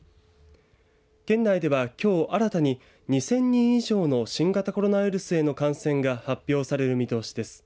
県内ではきょう新たに２０００人以上の新型コロナウイルスへの感染が発表される見通しです。